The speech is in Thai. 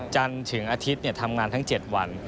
จันทร์ถึงอาทิตย์ทำงานทั้ง๗วัน